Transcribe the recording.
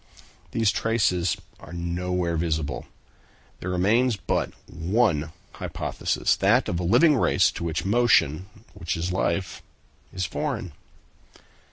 These traces are nowhere visible. There remains but one hypothesis, that of a living race to which motion, which is life, is foreign."